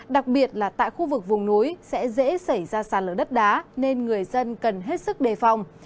đặc biệt là tại khu vực vùng núi sẽ dễ xảy ra sạt lở đất đá nên người dân cần hết sức đề phòng